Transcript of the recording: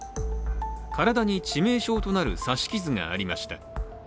体に致命傷となる刺し傷がありました。